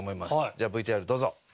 じゃあＶＴＲどうぞ。